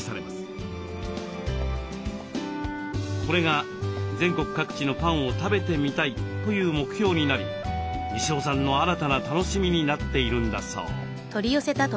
これが「全国各地のパンを食べてみたい」という目標になり西尾さんの新たな楽しみになっているんだそう。